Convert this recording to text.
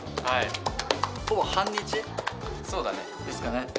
はいほぼ半日ですかね